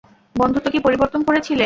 বন্ধুত্ব কি পরিবর্তন করে ছিলে?